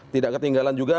tidak ketinggalan juga